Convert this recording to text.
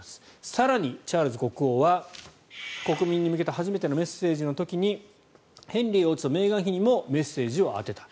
更に、チャールズ国王は国民に向けた初めてのメッセージの時にヘンリー王子とメーガン妃にもメッセージをあてた。